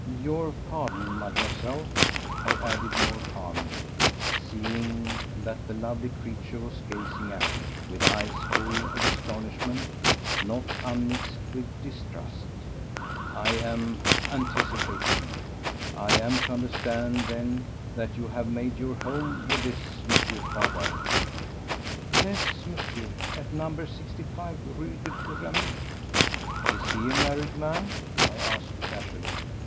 ... "Your pardon, Mademoiselle," I added more calmly, seeing that the lovely creature was gazing at me with eyes full of astonishment not unmixed with distrust, "I am anticipating. Am I to understand, then, that you have made your home with this Mr. Farewell?" "Yes, Monsieur, at number sixty five Rue des Pyramides." "Is he a married man?" I asked casually.